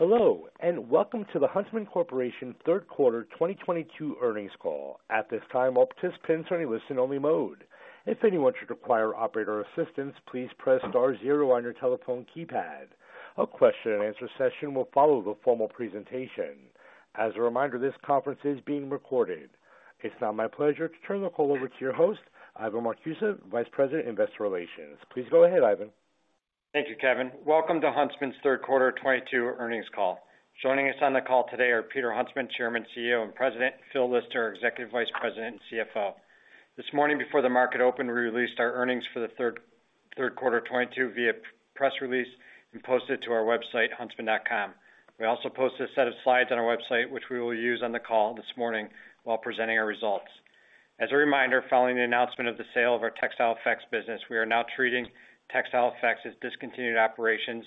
Hello, and welcome to the Huntsman Corporation third quarter 2022 earnings call. At this time, all participants are in listen only mode. If anyone should require operator assistance, please press star zero on your telephone keypad. A question-and-answer session will follow the formal presentation. As a reminder, this conference is being recorded. It's now my pleasure to turn the call over to your host, Ivan Marcuse, Vice President, Investor Relations. Please go ahead, Ivan. Thank you, Kevin. Welcome to Huntsman's third quarter 2022 earnings call. Joining us on the call today are Peter Huntsman, Chairman, CEO, and President, Phil Lister, Executive Vice President and CFO. This morning before the market opened, we released our earnings for the third quarter 2022 via press release and posted it to our website, huntsman.com. We also post a set of slides on our website, which we will use on the call this morning while presenting our results. As a reminder, following the announcement of the sale of our Textile Effects business, we are now treating Textile Effects as discontinued operations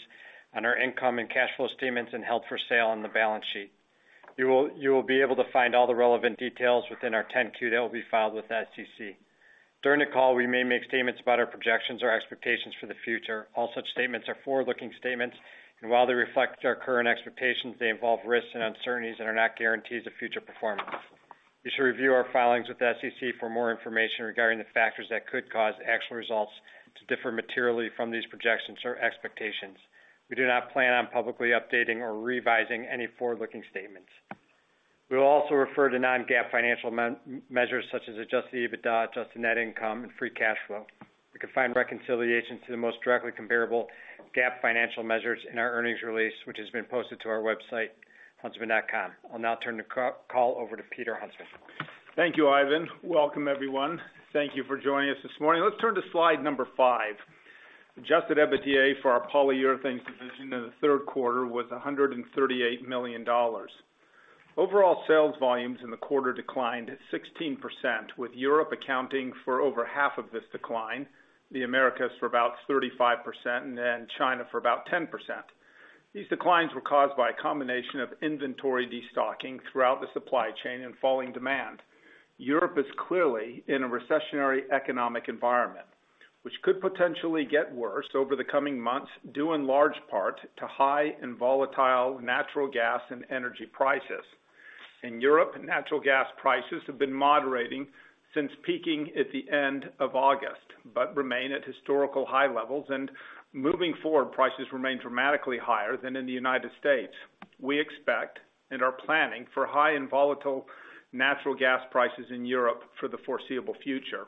on our income and cash flow statements and held for sale on the balance sheet. You will be able to find all the relevant details within our 10-Q that will be filed with the SEC. During the call, we may make statements about our projections or expectations for the future. All such statements are forward-looking statements, and while they reflect our current expectations, they involve risks and uncertainties that are not guarantees of future performance. You should review our filings with the SEC for more information regarding the factors that could cause actual results to differ materially from these projections or expectations. We do not plan on publicly updating or revising any forward-looking statements. We will also refer to non-GAAP financial measures such as Adjusted EBITDA, adjusted net income and free cash flow. You can find reconciliations to the most directly comparable GAAP financial measures in our earnings release, which has been posted to our website, huntsman.com. I'll now turn the call over to Peter Huntsman. Thank you, Ivan. Welcome, everyone. Thank you for joining us this morning. Let's turn to slide number five. Adjusted EBITDA for our Polyurethanes division in the third quarter was $138 million. Overall sales volumes in the quarter declined 16%, with Europe accounting for over half of this decline, the Americas for about 35%, and then China for about 10%. These declines were caused by a combination of inventory destocking throughout the supply chain and falling demand. Europe is clearly in a recessionary economic environment, which could potentially get worse over the coming months, due in large part to high and volatile natural gas and energy prices. In Europe, natural gas prices have been moderating since peaking at the end of August, but remain at historical high levels. Moving forward, prices remain dramatically higher than in the United States. We expect and are planning for high and volatile natural gas prices in Europe for the foreseeable future.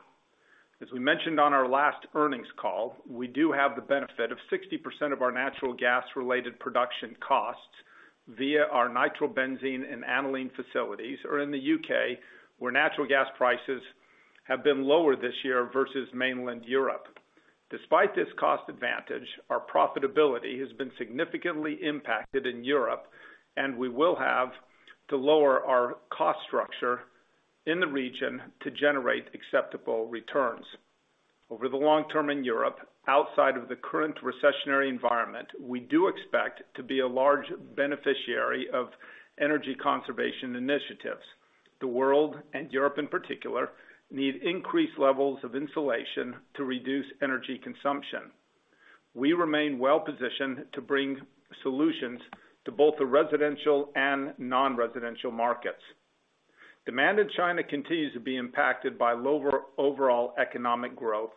As we mentioned on our last earnings call, we do have the benefit of 60% of our natural gas-related production costs via our nitrobenzene and aniline facilities are in the U.K., where natural gas prices have been lower this year versus mainland Europe. Despite this cost advantage, our profitability has been significantly impacted in Europe, and we will have to lower our cost structure in the region to generate acceptable returns. Over the long term in Europe, outside of the current recessionary environment, we do expect to be a large beneficiary of energy conservation initiatives. The world, and Europe in particular, need increased levels of insulation to reduce energy consumption. We remain well positioned to bring solutions to both the residential and non-residential markets. Demand in China continues to be impacted by lower overall economic growth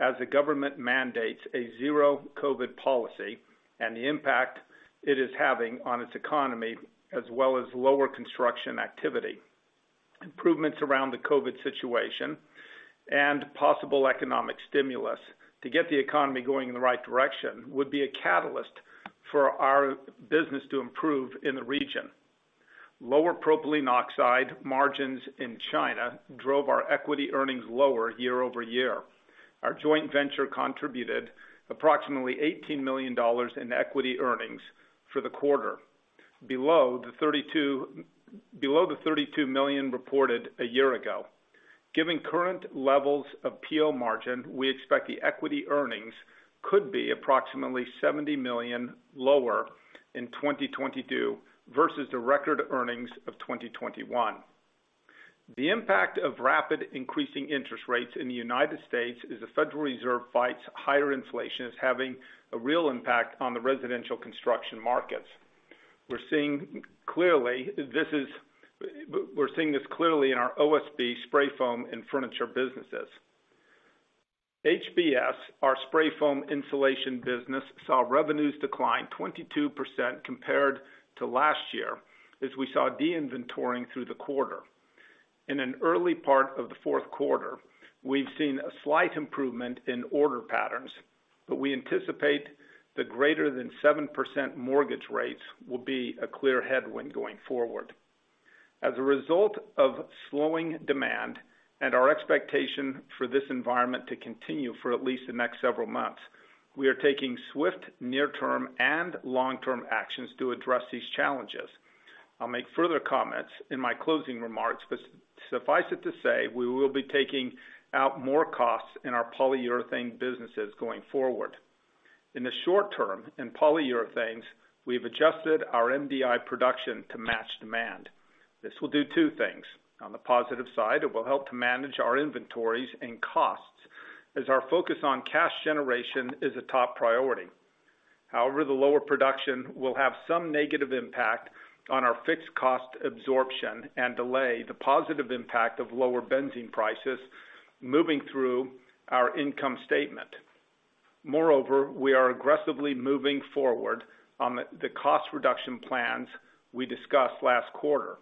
as the government mandates a zero-COVID policy and the impact it is having on its economy, as well as lower construction activity. Improvements around the COVID situation and possible economic stimulus to get the economy going in the right direction would be a catalyst for our business to improve in the region. Lower propylene oxide margins in China drove our equity earnings lower year-over-year. Our joint venture contributed approximately $18 million in equity earnings for the quarter, below the $32 million reported a year ago. Given current levels of PO margin, we expect the equity earnings could be approximately $70 million lower in 2022 versus the record earnings of 2021. The impact of rapid increasing interest rates in the United States as the Federal Reserve fights higher inflation is having a real impact on the residential construction markets. We're seeing this clearly in our OSB, spray foam, and furniture businesses. HBS, our spray foam insulation business, saw revenues decline 22% compared to last year as we saw de-inventoring through the quarter. In an early part of the fourth quarter, we've seen a slight improvement in order patterns, but we anticipate the greater than 7% mortgage rates will be a clear headwind going forward. As a result of slowing demand and our expectation for this environment to continue for at least the next several months, we are taking swift near-term and long-term actions to address these challenges. I'll make further comments in my closing remarks, but suffice it to say, we will be taking out more costs in our Polyurethanes businesses going forward. In the short term, in Polyurethanes, we've adjusted our MDI production to match demand. This will do two things. On the positive side, it will help to manage our inventories and costs as our focus on cash generation is a top priority. However, the lower production will have some negative impact on our fixed cost absorption and delay the positive impact of lower benzene prices moving through our income statement. Moreover, we are aggressively moving forward on the cost reduction plans we discussed last quarter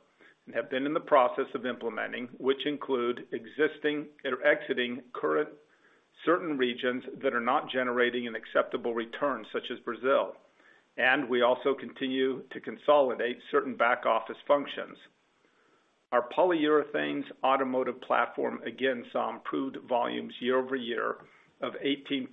and have been in the process of implementing, which include exiting certain regions that are not generating an acceptable return, such as Brazil. We also continue to consolidate certain back-office functions. Our Polyurethanes automotive platform, again, saw improved volumes year-over-year of 18%.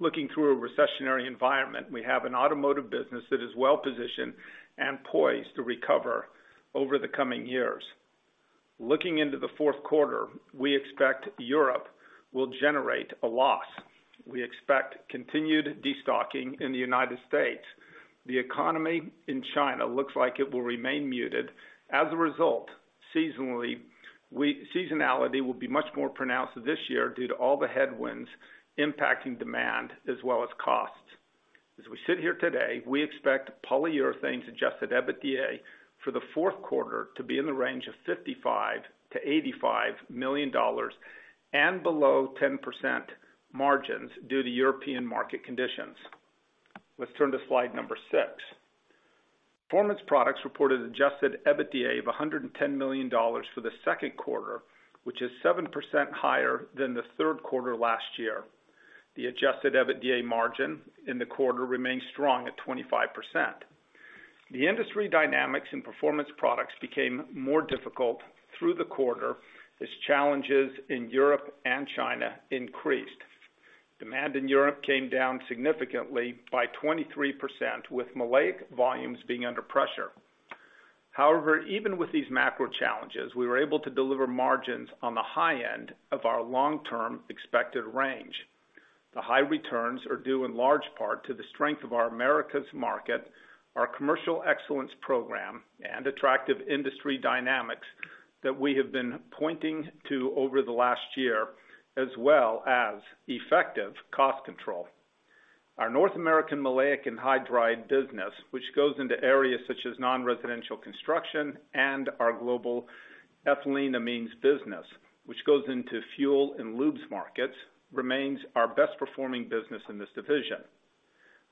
Looking through a recessionary environment, we have an automotive business that is well-positioned and poised to recover over the coming years. Looking into the fourth quarter, we expect Europe will generate a loss. We expect continued destocking in the United States. The economy in China looks like it will remain muted. As a result, seasonally, seasonality will be much more pronounced this year due to all the headwinds impacting demand as well as costs. As we sit here today, we expect Polyurethanes Adjusted EBITDA for the fourth quarter to be in the range of $55 million-$85 million and below 10% margins due to European market conditions. Let's turn to slide number six. Performance Products reported Adjusted EBITDA of $110 million for the second quarter, which is 7% higher than the third quarter last year. The Adjusted EBITDA margin in the quarter remained strong at 25%. The industry dynamics in Performance Products became more difficult through the quarter as challenges in Europe and China increased. Demand in Europe came down significantly by 23%, with maleic volumes being under pressure. However, even with these macro challenges, we were able to deliver margins on the high end of our long-term expected range. The high returns are due in large part to the strength of our Americas market, our commercial excellence program, and attractive industry dynamics that we have been pointing to over the last year, as well as effective cost control. Our North American maleic anhydride business, which goes into areas such as non-residential construction and our global ethylene amines business, which goes into fuel and lubes markets, remains our best performing business in this division.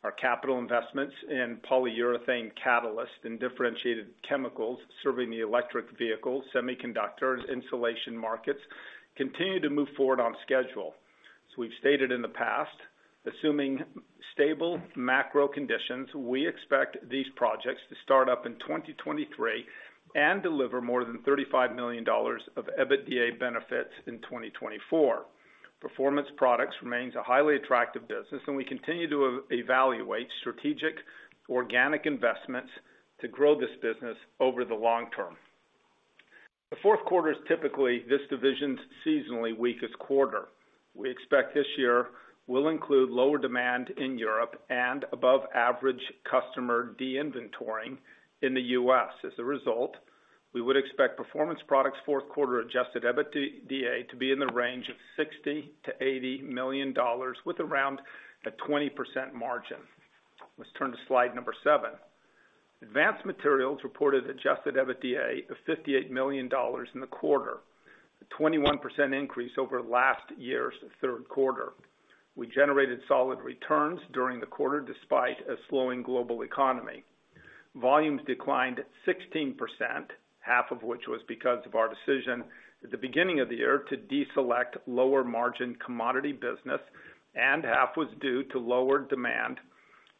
Our capital investments in polyurethane catalyst and differentiated chemicals serving the electric vehicle, semiconductors, insulation markets continue to move forward on schedule. As we've stated in the past, assuming stable macro conditions, we expect these projects to start up in 2023 and deliver more than $35 million of EBITDA benefits in 2024. Performance Products remains a highly attractive business, and we continue to evaluate strategic organic investments to grow this business over the long term. The fourth quarter is typically this division's seasonally weakest quarter. We expect this year will include lower demand in Europe and above average customer de-inventorying in the U.S. As a result, we would expect Performance Products' fourth quarter Adjusted EBITDA to be in the range of $60 million-$80 million with around a 20% margin. Let's turn to slide number seven. Advanced Materials reported Adjusted EBITDA of $58 million in the quarter, a 21% increase over last year's third quarter. We generated solid returns during the quarter despite a slowing global economy. Volumes declined 16%, half of which was because of our decision at the beginning of the year to deselect lower-margin commodity business, and half was due to lower demand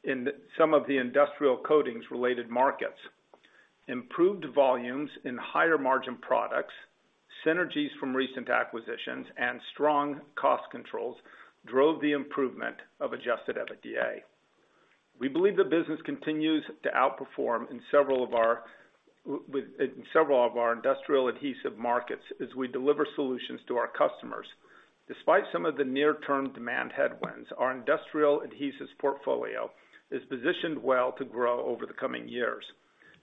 in some of the industrial coatings related markets. Improved volumes in higher margin products, synergies from recent acquisitions, and strong cost controls drove the improvement of Adjusted EBITDA. We believe the business continues to outperform in several of our industrial adhesive markets as we deliver solutions to our customers. Despite some of the near-term demand headwinds, our industrial adhesives portfolio is positioned well to grow over the coming years.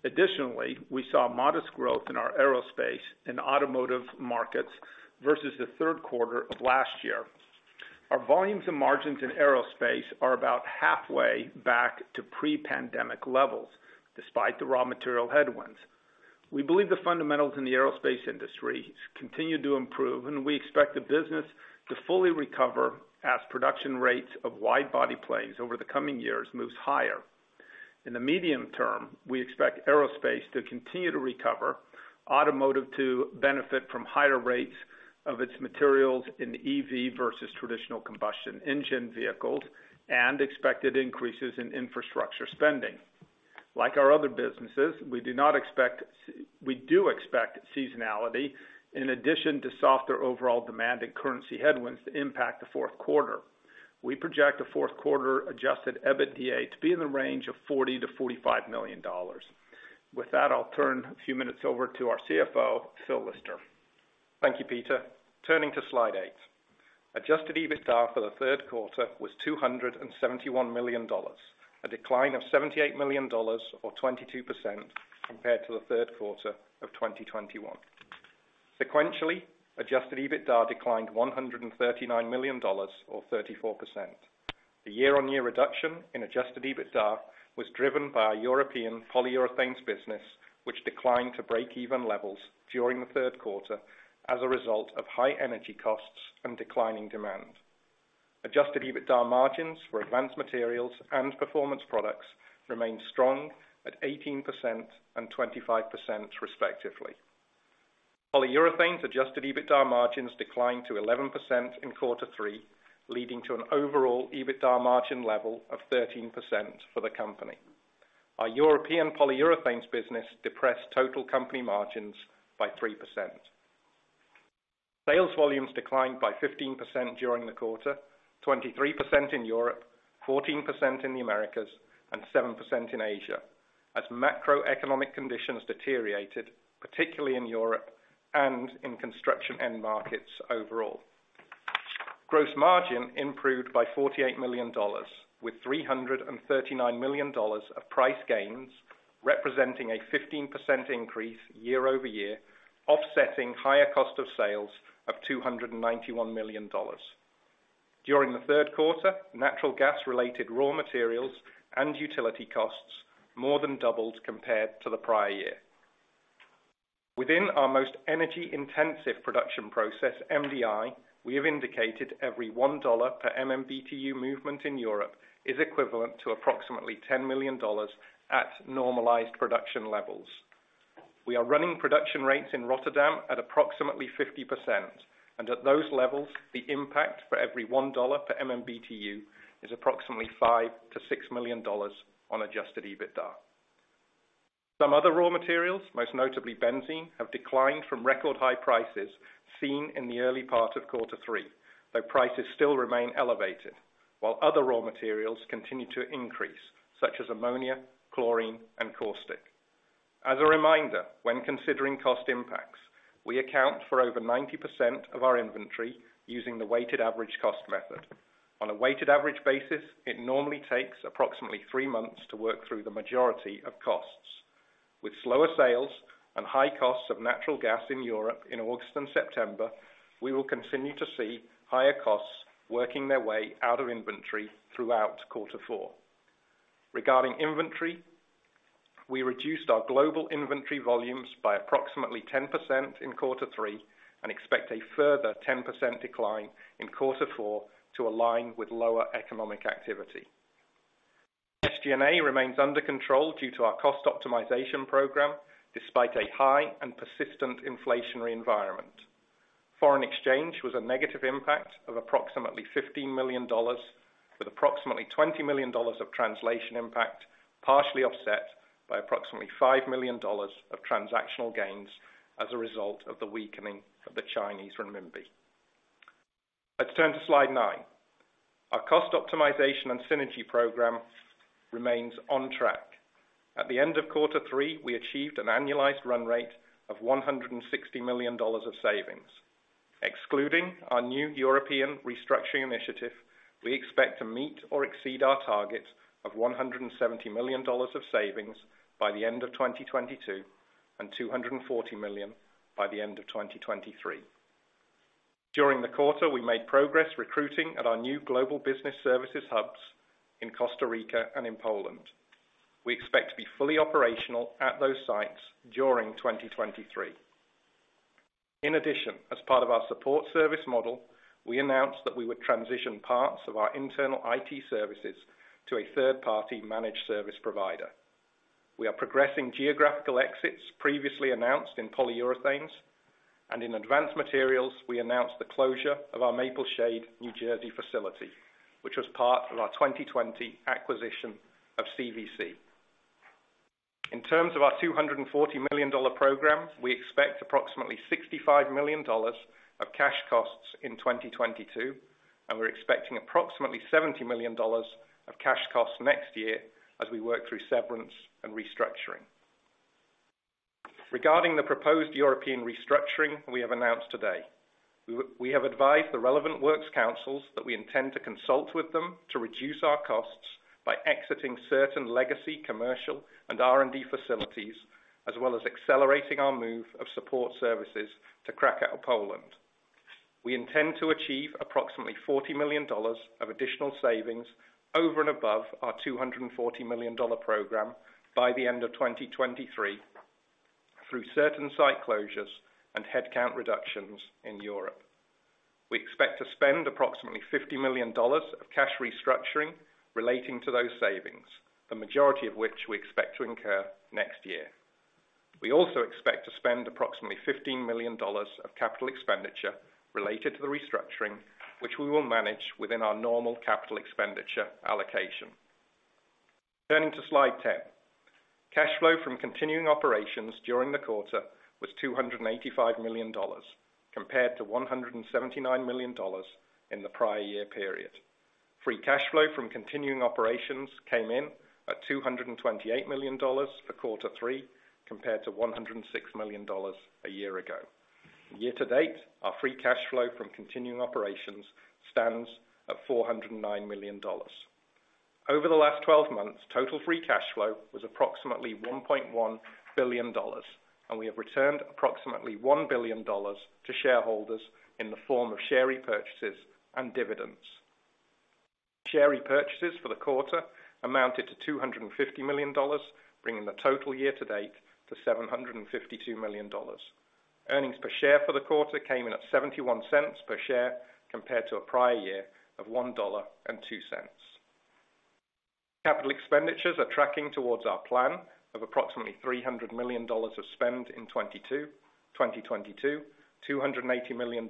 Additionally, we saw modest growth in our aerospace and automotive markets versus the third quarter of last year. Our volumes and margins in aerospace are about halfway back to pre-pandemic levels despite the raw material headwinds. We believe the fundamentals in the aerospace industry continue to improve, and we expect the business to fully recover as production rates of wide body planes over the coming years moves higher. In the medium term, we expect aerospace to continue to recover, automotive to benefit from higher rates of its materials in EV versus traditional combustion engine vehicles, and expected increases in infrastructure spending. Like our other businesses, we do expect seasonality in addition to softer overall demand and currency headwinds to impact the fourth quarter. We project a fourth quarter Adjusted EBITDA to be in the range of $40 million-$45 million. With that, I'll turn a few minutes over to our CFO, Phil Lister. Thank you, Peter. Turning to slide eight. Adjusted EBITDA for the third quarter was $271 million, a decline of $78 million or 22% compared to the third quarter of 2021. Sequentially, Adjusted EBITDA declined $139 million or 34%. The year-on-year reduction in Adjusted EBITDA was driven by our European polyurethanes business, which declined to breakeven levels during the third quarter as a result of high energy costs and declining demand. Adjusted EBITDA margins for Advanced Materials and Performance Products remained strong at 18% and 25% respectively. Polyurethanes Adjusted EBITDA margins declined to 11% in quarter three, leading to an overall EBITDA margin level of 13% for the company. Our European polyurethanes business depressed total company margins by 3%. Sales volumes declined by 15% during the quarter, 23% in Europe, 14% in the Americas, and 7% in Asia, as macroeconomic conditions deteriorated, particularly in Europe and in construction end markets overall. Gross margin improved by $48 million, with $339 million of price gains, representing a 15% increase year-over-year, offsetting higher cost of sales of $291 million. During the third quarter, natural gas-related raw materials and utility costs more than doubled compared to the prior year. Within our most energy intensive production process, MDI, we have indicated every $1 per MMBTU movement in Europe is equivalent to approximately $10 million at normalized production levels. We are running production rates in Rozenburg at approximately 50%, and at those levels, the impact for every $1 per MMBTU is approximately $5 million-$6 million on Adjusted EBITDA. Some other raw materials, most notably benzene, have declined from record high prices seen in the early part of quarter three, though prices still remain elevated, while other raw materials continue to increase, such as ammonia, chlorine, and caustic. As a reminder, when considering cost impacts, we account for over 90% of our inventory using the weighted average cost method. On a weighted average basis, it normally takes approximately three months to work through the majority of costs. With slower sales and high costs of natural gas in Europe in August and September, we will continue to see higher costs working their way out of inventory throughout quarter four. Regarding inventory, we reduced our global inventory volumes by approximately 10% in quarter three and expect a further 10% decline in quarter four to align with lower economic activity. SG&A remains under control due to our cost optimization program despite a high and persistent inflationary environment. Foreign exchange was a negative impact of approximately $15 million, with approximately $20 million of translation impact, partially offset by approximately $5 million of transactional gains as a result of the weakening of the Chinese renminbi. Let's turn to slide nine. Our cost optimization and synergy program remains on track. At the end of quarter three, we achieved an annualized run rate of $160 million of savings. Excluding our new European restructuring initiative, we expect to meet or exceed our target of $170 million of savings by the end of 2022, and $240 million by the end of 2023. During the quarter, we made progress recruiting at our new global business services hubs in Costa Rica and in Poland. We expect to be fully operational at those sites during 2023. In addition, as part of our support service model, we announced that we would transition parts of our internal IT services to a third-party managed service provider. We are progressing geographical exits previously announced in Polyurethanes and in Advanced Materials. We announced the closure of our Maple Shade, New Jersey facility, which was part of our 2020 acquisition of CVC. In terms of our $240 million program, we expect approximately $65 million of cash costs in 2022, and we're expecting approximately $70 million of cash costs next year as we work through severance and restructuring. Regarding the proposed European restructuring we have announced today, we have advised the relevant works councils that we intend to consult with them to reduce our costs by exiting certain legacy commercial and R&D facilities, as well as accelerating our move of support services to Kraków, Poland. We intend to achieve approximately $40 million of additional savings over and above our $240 million program by the end of 2023 through certain site closures and headcount reductions in Europe. We expect to spend approximately $50 million of cash restructuring relating to those savings, the majority of which we expect to incur next year. We also expect to spend approximately $15 million of capital expenditure related to the restructuring, which we will manage within our normal capital expenditure allocation. Turning to slide 10. Cash flow from continuing operations during the quarter was $285 million, compared to $179 million in the prior year period. Free cash flow from continuing operations came in at $228 million for quarter three, compared to $106 million a year ago. Year-to-date, our free cash flow from continuing operations stands at $409 million. Over the last 12 months, total free cash flow was approximately $1.1 billion, and we have returned approximately $1 billion to shareholders in the form of share repurchases and dividends. Share repurchases for the quarter amounted to $250 million, bringing the total year to date to $752 million. Earnings per share for the quarter came in at $0.71 per share compared to a prior year of $1.02. Capital expenditures are tracking towards our plan of approximately $300 million of spend in 2022, $280 million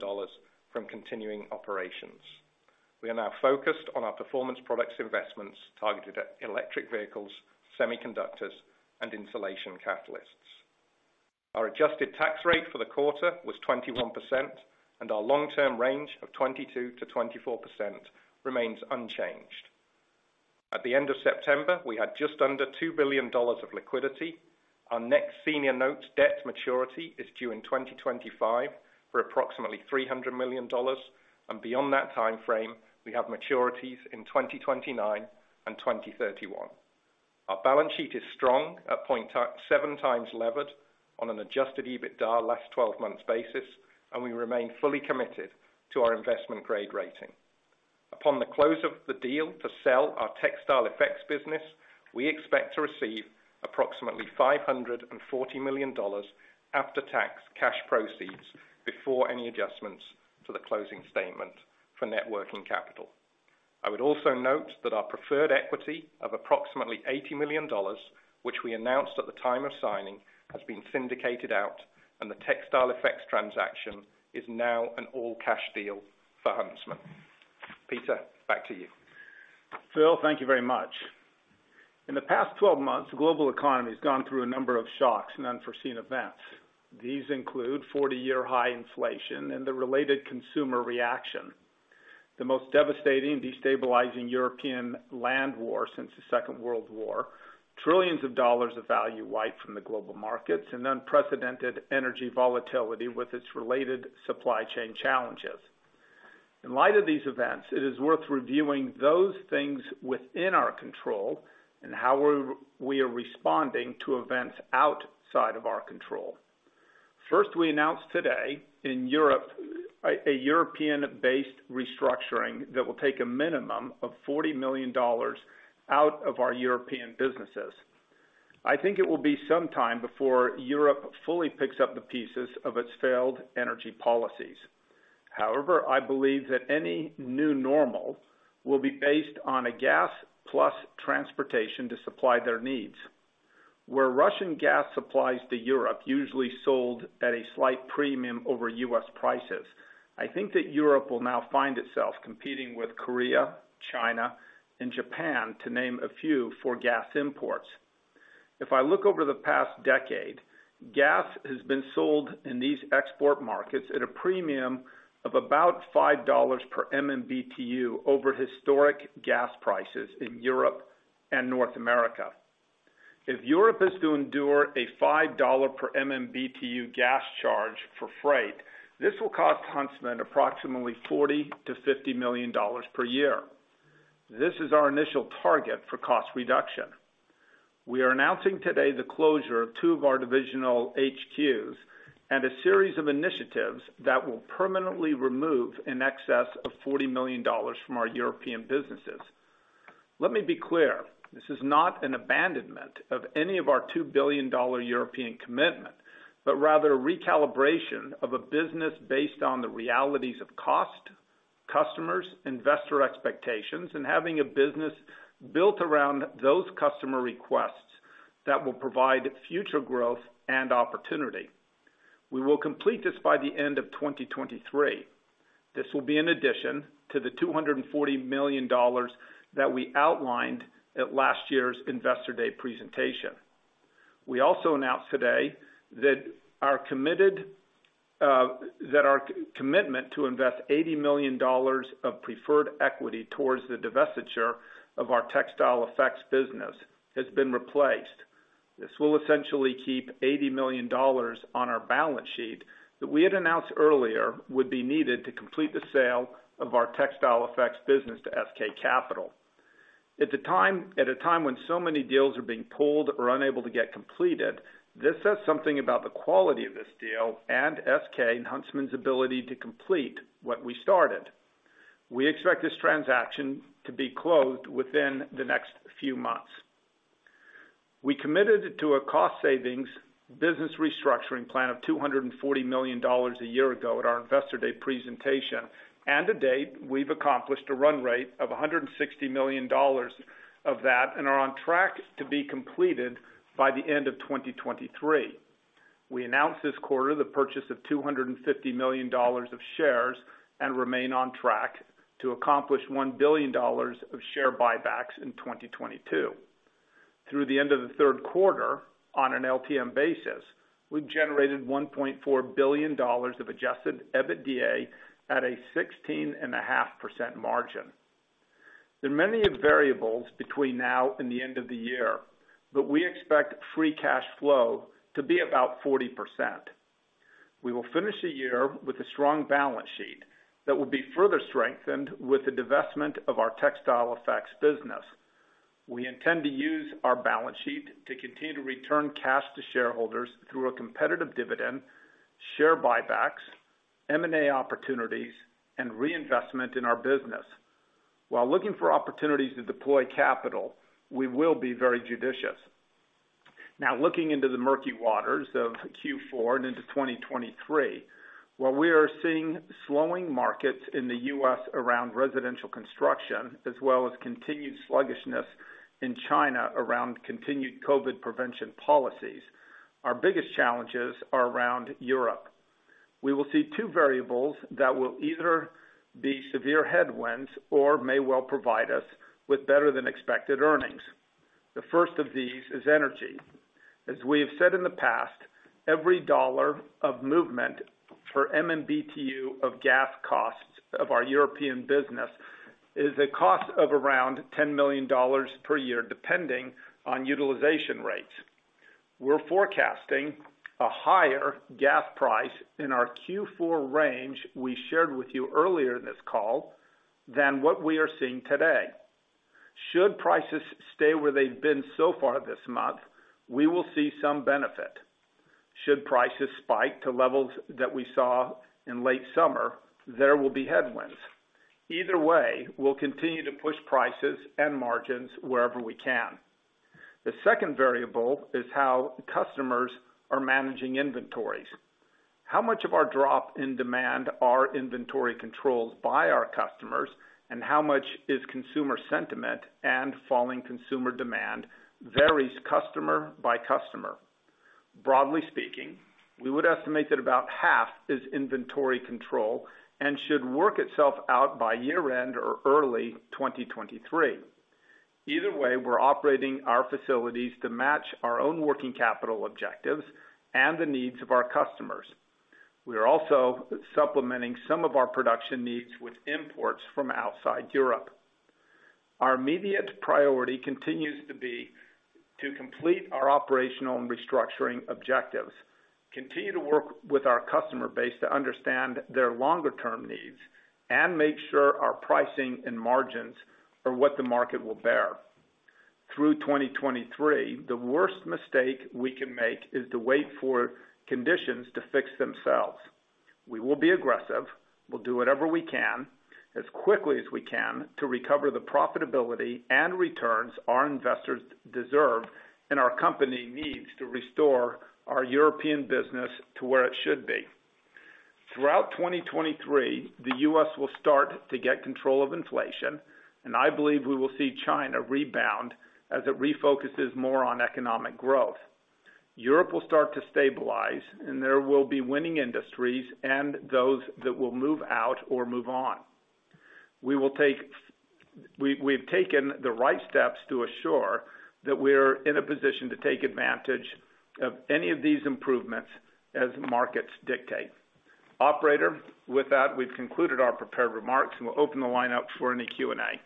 from continuing operations. We are now focused on our Performance Products investments targeted at electric vehicles, semiconductors, and insulation catalysts. Our adjusted tax rate for the quarter was 21%, and our long-term range of 22%-24% remains unchanged. At the end of September, we had just under $2 billion of liquidity. Our next senior notes debt maturity is due in 2025 for approximately $300 million, and beyond that timeframe, we have maturities in 2029 and 2031. Our balance sheet is strong at 0.7 times levered on an Adjusted EBITDA last twelve months basis, and we remain fully committed to our investment grade rating. Upon the close of the deal to sell our Textile Effects business, we expect to receive approximately $540 million after-tax cash proceeds before any adjustments to the closing statement for net working capital. I would also note that our preferred equity of approximately $80 million, which we announced at the time of signing, has been syndicated out, and the Textile Effects transaction is now an all-cash deal for Huntsman. Peter, back to you. Phil, thank you very much. In the past 12 months, the global economy has gone through a number of shocks and unforeseen events. These include 40-year high inflation and the related consumer reaction, the most devastating, destabilizing European land war since the Second World War, trillions of dollars of value wiped from the global markets, and unprecedented energy volatility with its related supply chain challenges. In light of these events, it is worth reviewing those things within our control and how we are responding to events outside of our control. First, we announced today in Europe, a European-based restructuring that will take a minimum of $40 million out of our European businesses. I think it will be some time before Europe fully picks up the pieces of its failed energy policies. However, I believe that any new normal will be based on a gas plus transportation to supply their needs. Where Russian gas supplies to Europe usually sold at a slight premium over U.S. prices, I think that Europe will now find itself competing with Korea, China, and Japan, to name a few, for gas imports. If I look over the past decade, gas has been sold in these export markets at a premium of about $5 per MMBTU over historic gas prices in Europe and North America. If Europe is to endure a $5 per MMBTU gas charge for freight, this will cost Huntsman approximately $40 million-$50 million per year. This is our initial target for cost reduction. We are announcing today the closure of two of our divisional HQs and a series of initiatives that will permanently remove in excess of $40 million from our European businesses. Let me be clear, this is not an abandonment of any of our $2 billion European commitment, but rather a recalibration of a business based on the realities of cost, customers, investor expectations, and having a business built around those customer requests that will provide future growth and opportunity. We will complete this by the end of 2023. This will be in addition to the $240 million that we outlined at last year's Investor Day presentation. We also announced today that our commitment to invest $80 million of preferred equity towards the divestiture of our Textile Effects business has been replaced. This will essentially keep $80 million on our balance sheet that we had announced earlier would be needed to complete the sale of our Textile Effects business to SK Capital. At the time, at a time when so many deals are being pulled or unable to get completed, this says something about the quality of this deal and SK and Huntsman's ability to complete what we started. We expect this transaction to be closed within the next few months. We committed to a cost savings business restructuring plan of $240 million a year ago at our Investor Day presentation, and to date, we've accomplished a run rate of $160 million of that and are on track to be completed by the end of 2023. We announced this quarter the purchase of $250 million of shares and remain on track to accomplish $1 billion of share buybacks in 2022. Through the end of the third quarter on an LTM basis, we've generated $1.4 billion of Adjusted EBITDA at a 16.5% margin. There are many variables between now and the end of the year, but we expect free cash flow to be about 40%. We will finish the year with a strong balance sheet that will be further strengthened with the divestment of our Textile Effects business. We intend to use our balance sheet to continue to return cash to shareholders through a competitive dividend, share buybacks, M&A opportunities, and reinvestment in our business. While looking for opportunities to deploy capital, we will be very judicious. Now, looking into the murky waters of Q4 and into 2023, while we are seeing slowing markets in the U.S. around residential construction, as well as continued sluggishness in China around continued COVID prevention policies, our biggest challenges are around Europe. We will see two variables that will either be severe headwinds or may well provide us with better-than-expected earnings. The first of these is energy. As we have said in the past, every dollar of movement per MMBTU of gas costs of our European business is a cost of around $10 million per year, depending on utilization rates. We're forecasting a higher gas price in our Q4 range we shared with you earlier in this call than what we are seeing today. Should prices stay where they've been so far this month, we will see some benefit. Should prices spike to levels that we saw in late summer, there will be headwinds. Either way, we'll continue to push prices and margins wherever we can. The second variable is how customers are managing inventories. How much of our drop in demand are inventory controls by our customers, and how much is consumer sentiment and falling consumer demand varies customer by customer. Broadly speaking, we would estimate that about half is inventory control and should work itself out by year-end or early 2023. Either way, we're operating our facilities to match our own working capital objectives and the needs of our customers. We are also supplementing some of our production needs with imports from outside Europe. Our immediate priority continues to be to complete our operational and restructuring objectives, continue to work with our customer base to understand their longer-term needs, and make sure our pricing and margins are what the market will bear. Through 2023, the worst mistake we can make is to wait for conditions to fix themselves. We will be aggressive. We'll do whatever we can as quickly as we can to recover the profitability and returns our investors deserve and our company needs to restore our European business to where it should be. Throughout 2023, the U.S. will start to get control of inflation, and I believe we will see China rebound as it refocuses more on economic growth. Europe will start to stabilize, and there will be winning industries and those that will move out or move on. We've taken the right steps to assure that we're in a position to take advantage of any of these improvements as markets dictate. Operator, with that, we've concluded our prepared remarks, and we'll open the line up for any Q&A.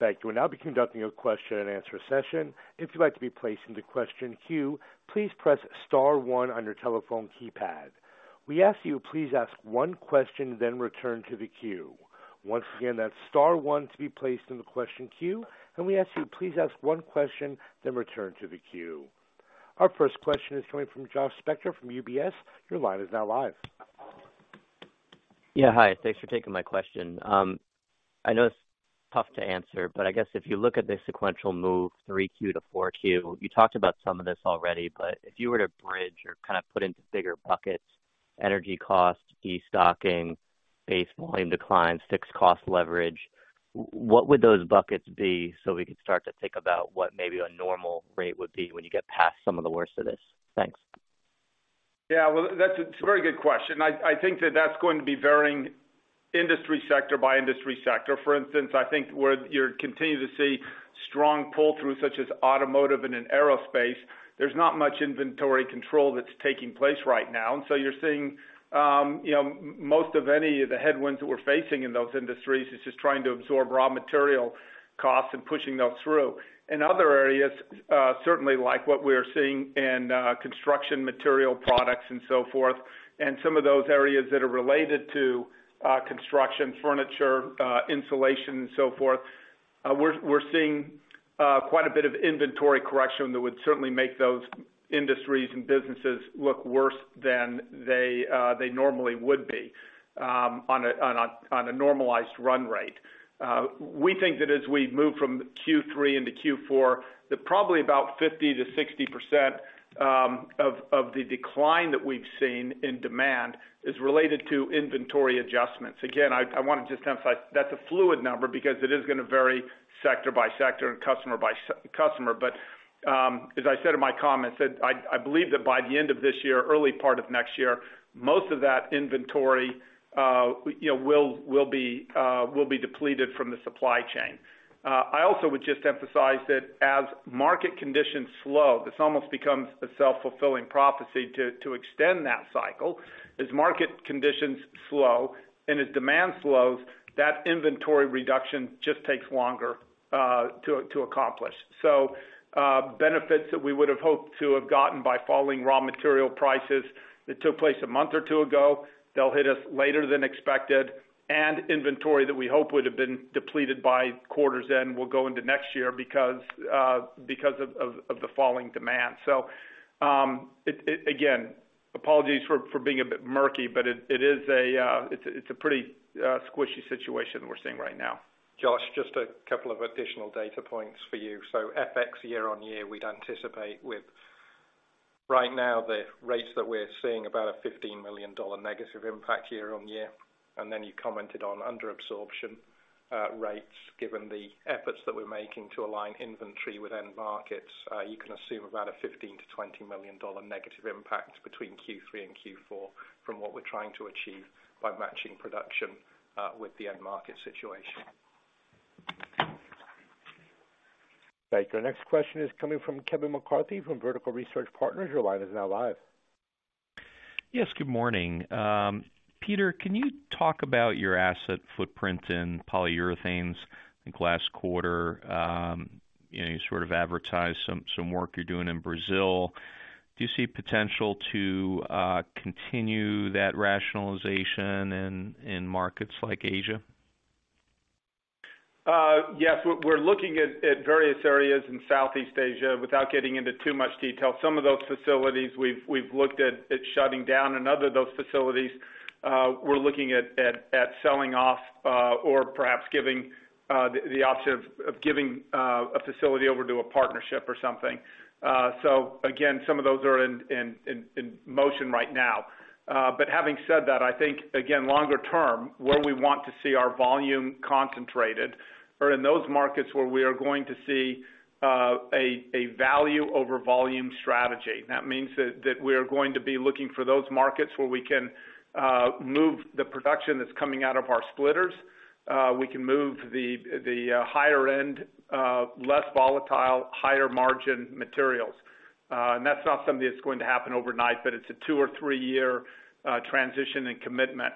Thank you. We'll now be conducting a question-and-answer session. If you'd like to be placed into question queue, please press star one on your telephone keypad. We ask you please ask one question, then return to the queue. Once again, that's star one to be placed in the question queue, and we ask you please ask one question, then return to the queue. Our first question is coming from Josh Spector from UBS. Your line is now live. Yeah. Hi. Thanks for taking my question. I know it's tough to answer, but I guess if you look at the sequential move, 3Q to 4Q, you talked about some of this already, but if you were to bridge or kind of put into bigger buckets energy costs, de-stocking, base volume declines, fixed cost leverage, what would those buckets be, so we could start to think about what maybe a normal rate would be when you get past some of the worst of this? Thanks. Yeah. Well, that's a very good question. I think that that's going to be varying industry sector by industry sector. For instance, I think where you're continuing to see strong pull-through, such as automotive and in aerospace, there's not much inventory control that's taking place right now. You're seeing, you know, most of any of the headwinds that we're facing in those industries is just trying to absorb raw material costs and pushing those through. In other areas, certainly like what we're seeing in, construction material products and so forth, and some of those areas that are related to, construction, furniture, insulation, and so forth, we're seeing quite a bit of inventory correction that would certainly make those industries and businesses look worse than they normally would be, on a normalized run rate. We think that as we move from Q3 into Q4, that probably about 50%-60% of the decline that we've seen in demand is related to inventory adjustments. Again, I want to just emphasize that's a fluid number because it is gonna vary sector by sector and customer by customer. As I said in my comments, that I believe that by the end of this year, early part of next year, most of that inventory, you know, will be depleted from the supply chain. I also would just emphasize that as market conditions slow, this almost becomes a self-fulfilling prophecy to extend that cycle. As market conditions slow and as demand slows, that inventory reduction just takes longer to accomplish. Benefits that we would have hoped to have gotten by falling raw material prices that took place a month or two ago, they'll hit us later than expected. Inventory that we hope would have been depleted by quarter's end will go into next year because of the falling demand. Again, apologies for being a bit murky, but it's a pretty squishy situation we're seeing right now. Josh, just a couple of additional data points for you. FX year-on-year, we'd anticipate with right now the rates that we're seeing about a $15 million negative impact year-on-year. Then you commented on underabsorption rates, given the efforts that we're making to align inventory with end markets, you can assume about a $15-$20 million negative impact between Q3 and Q4 from what we're trying to achieve by matching production with the end market situation. Thank you. Our next question is coming from Kevin McCarthy from Vertical Research Partners. Your line is now live. Yes, good morning. Peter, can you talk about your asset footprint in Polyurethanes? I think last quarter, you know, you sort of advertised some work you're doing in Brazil. Do you see potential to continue that rationalization in markets like Asia? Yes. We're looking at various areas in Southeast Asia. Without getting into too much detail, some of those facilities we've looked at shutting down, and other of those facilities, we're looking at selling off, or perhaps giving the option of giving a facility over to a partnership or something. Again, some of those are in motion right now. Having said that, I think, again, longer term, where we want to see our volume concentrated are in those markets where we are going to see a value over volume strategy. That means that we're going to be looking for those markets where we can move the production that's coming out of our splitters. We can move the higher end, less volatile, higher margin materials. That's not something that's going to happen overnight, but it's a 2- or 3-year transition and commitment.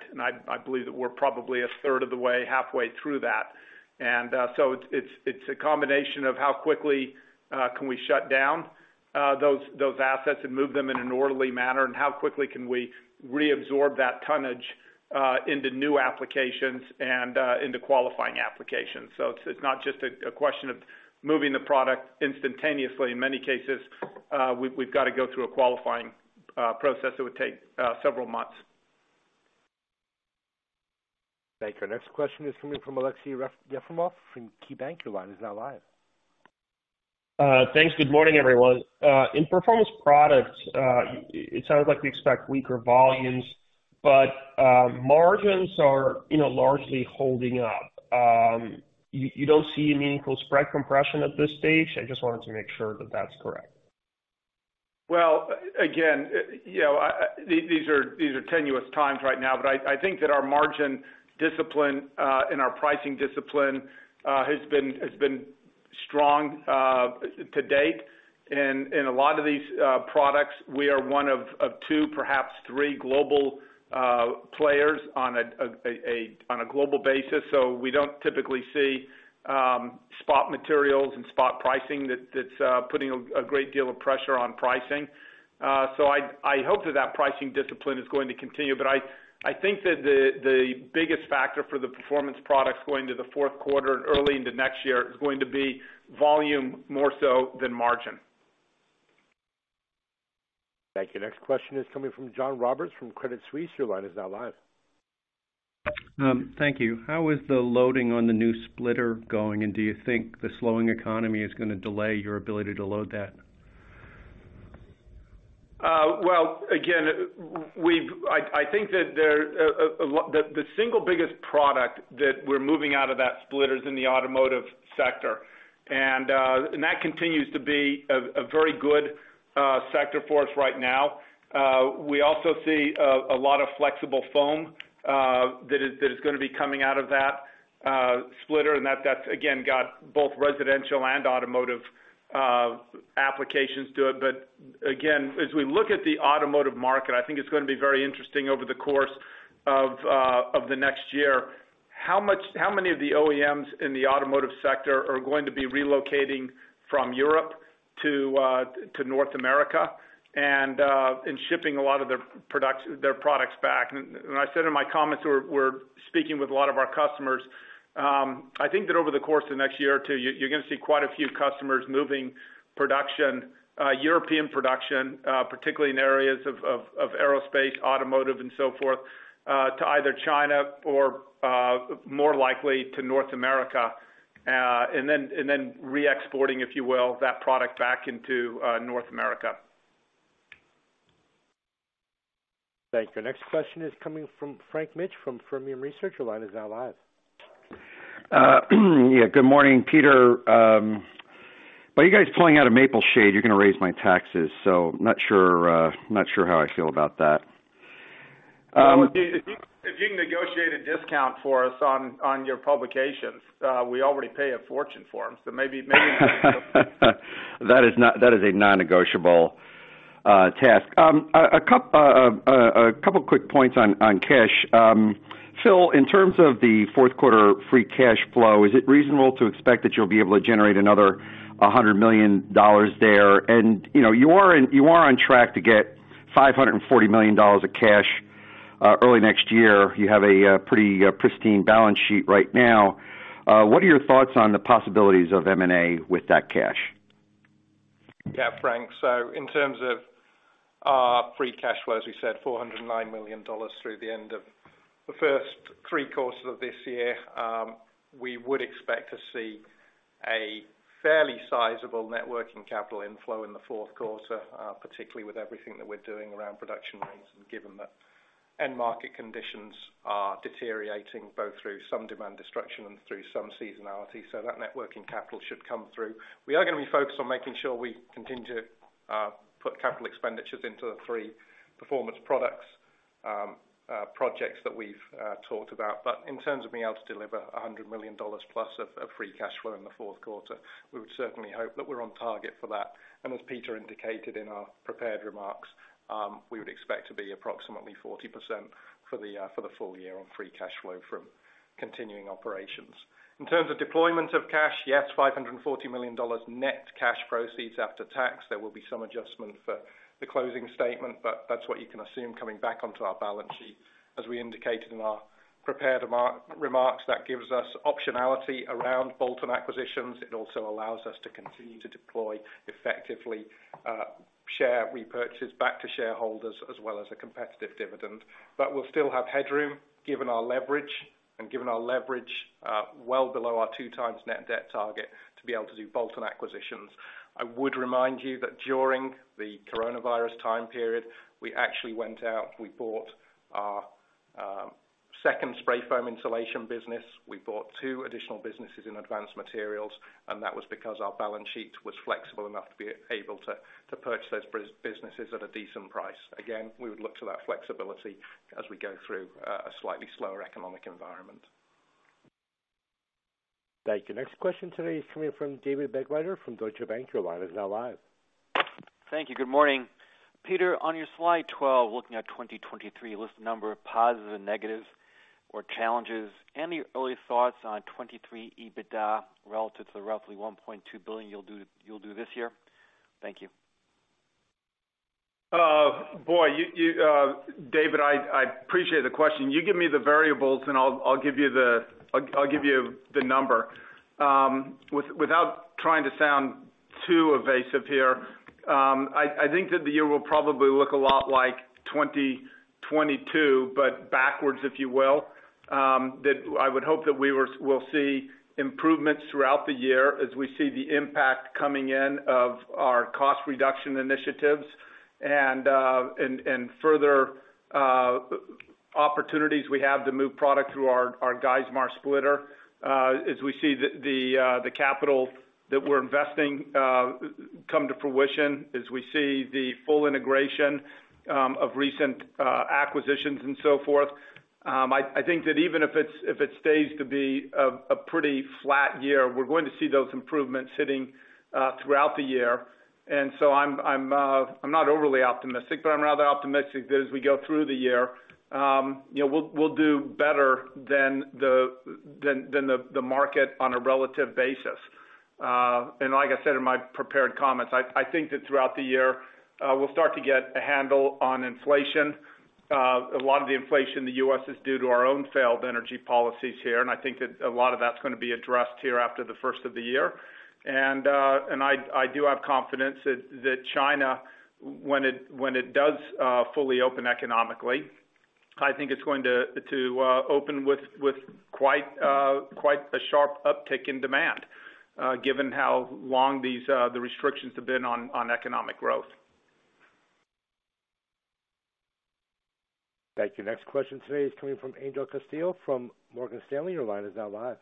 I believe that we're probably a third of the way, halfway through that. It's a combination of how quickly can we shut down those assets and move them in an orderly manner, and how quickly can we reabsorb that tonnage into new applications and into qualifying applications. It's not just a question of moving the product instantaneously. In many cases, we've got to go through a qualifying process that would take several months. Thank you. Our next question is coming from Aleksey Yefremov from KeyBanc. Your line is now live. Thanks. Good morning, everyone. In Performance Products, it sounds like we expect weaker volumes, but margins are, you know, largely holding up. You don't see a meaningful spread compression at this stage? I just wanted to make sure that that's correct. Well, again, you know, these are tenuous times right now. I think that our margin discipline and our pricing discipline has been strong to date. In a lot of these products, we are one of two, perhaps three global players on a global basis. We don't typically see spot materials and spot pricing that's putting a great deal of pressure on pricing. I hope that that pricing discipline is going to continue. I think that the biggest factor for the Performance Products going into the fourth quarter and early into next year is going to be volume more so than margin. Thank you. Next question is coming from John Roberts from Credit Suisse. Your line is now live. Thank you. How is the loading on the new splitter going, and do you think the slowing economy is gonna delay your ability to load that? I think that the single biggest product that we're moving out of that splitter is in the automotive sector. That continues to be a very good sector for us right now. We also see a lot of flexible foam that is gonna be coming out of that splitter, and that's again got both residential and automotive applications to it. Again, as we look at the automotive market, I think it's gonna be very interesting over the course of the next year, how many of the OEMs in the automotive sector are going to be relocating from Europe to North America and shipping a lot of their products back. I said in my comments, we're speaking with a lot of our customers. I think that over the course of the next year or two, you're gonna see quite a few customers moving production, European production, particularly in areas of aerospace, automotive, and so forth, to either China or, more likely to North America, and then re-exporting, if you will, that product back into North America. Thank you. Next question is coming from Frank Mitsch from Fermium Research. Your line is now live. Yeah, good morning, Peter. By you guys pulling out of Maple Shade, you're gonna raise my taxes, so I'm not sure how I feel about that. Well, if you can negotiate a discount for us on your publications, we already pay a fortune for them, so maybe. That is a non-negotiable task. A couple of quick points on cash. Phil, in terms of the fourth quarter free cash flow, is it reasonable to expect that you'll be able to generate another $100 million there? You know, you are on track to get $540 million of cash early next year. You have a pretty pristine balance sheet right now. What are your thoughts on the possibilities of M&A with that cash? Yeah, Frank. In terms of our free cash flow, as we said, $409 million through the end of the first three quarters of this year, we would expect to see a fairly sizable working capital inflow in the fourth quarter, particularly with everything that we're doing around production rates and given that end market conditions are deteriorating, both through some demand destruction and through some seasonality. That working capital should come through. We are gonna be focused on making sure we continue to put capital expenditures into the three Performance Products projects that we've talked about. In terms of being able to deliver $100 million plus of free cash flow in the fourth quarter, we would certainly hope that we're on target for that. As Peter indicated in our prepared remarks, we would expect to be approximately 40% for the full year on free cash flow from continuing operations. In terms of deployment of cash, yes, $540 million net cash proceeds after tax. There will be some adjustment for the closing statement, but that's what you can assume coming back onto our balance sheet. As we indicated in our prepared remarks, that gives us optionality around bolt-on acquisitions. It also allows us to continue to deploy effectively, share repurchases back to shareholders as well as a competitive dividend. But we'll still have headroom given our leverage, well below our 2x net debt target to be able to do bolt-on acquisitions. I would remind you that during the coronavirus time period, we actually went out, we bought our second spray foam insulation business. We bought two additional businesses in Advanced Materials, and that was because our balance sheet was flexible enough to be able to purchase those businesses at a decent price. Again, we would look to that flexibility as we go through a slightly slower economic environment. Thank you. Next question today is coming from David Begleiter from Deutsche Bank. Your line is now live. Thank you. Good morning. Peter, on your slide 12, looking at 2023, list a number of positives and negatives or challenges. Any early thoughts on 2023 EBITDA relative to the roughly $1.2 billion you'll do this year? Thank you. David, I appreciate the question. You give me the variables, and I'll give you the number. Without trying to sound too evasive here, I think that the year will probably look a lot like 2022, but backwards, if you will. We'll see improvements throughout the year as we see the impact coming in of our cost reduction initiatives and further opportunities, we have to move product through our Geismar splitter, as we see the capital that we're investing come to fruition, as we see the full integration of recent acquisitions and so forth. I think that even if it stays to be a pretty flat year, we're going to see those improvements hitting throughout the year. I'm not overly optimistic, but I'm rather optimistic that as we go through the year, you know, we'll do better than the market on a relative basis. Like I said in my prepared comments, I think that throughout the year, we'll start to get a handle on inflation. A lot of the inflation in the U.S. is due to our own failed energy policies here, and I think that a lot of that's gonna be addressed here after the first of the year. I do have confidence that China, when it does fully open economically, I think it's going to open with quite a sharp uptick in demand, given how long the restrictions have been on economic growth. Thank you. Next question today is coming from Angel Castillo from Morgan Stanley. Your line is now live.